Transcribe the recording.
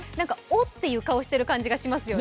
「お」って顔している感じがしますね。